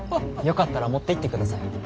よかったら持っていってください。